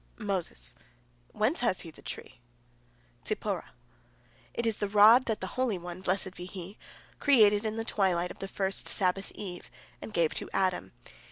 Moses: "Whence has he the tree?" Zipporah: "It is the rod that the Holy One, blessed be He, created in the twilight of the first Sabbath eve, and gave to Adam.